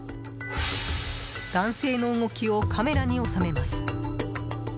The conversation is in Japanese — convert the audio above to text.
男性の動きをカメラに収めます。